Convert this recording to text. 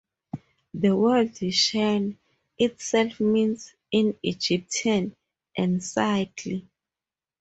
The word "shen" itself means, in Egyptian, "encircle".